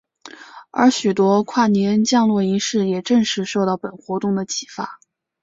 而许多跨年降落仪式也正是受到本活动的启发。